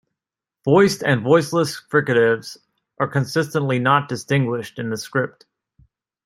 Voiced and voiceless fricatives are consistently not distinguished in the script.